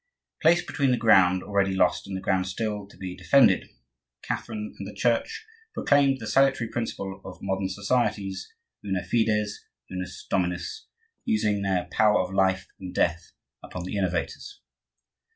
Placed between the ground already lost and the ground still to be defended, Catherine and the Church proclaimed the salutary principle of modern societies, una fides, unus dominus, using their power of life and death upon the innovators.